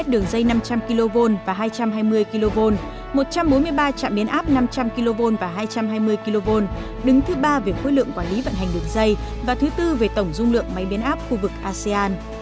bốn mươi ba trạm biến áp năm trăm linh kv và hai trăm hai mươi kv đứng thứ ba về khối lượng quản lý vận hành đường dây và thứ bốn về tổng dung lượng máy biến áp khu vực asean